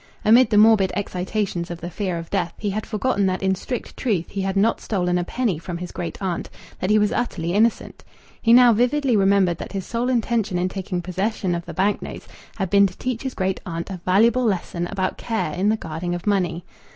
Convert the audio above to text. Amid the morbid excitations of the fear of death, he had forgotten that in strict truth he had not stolen a penny from his great aunt, that he was utterly innocent. He now vividly remembered that his sole intention in taking possession of the bank notes had been to teach his great aunt a valuable lesson about care in the guarding of money.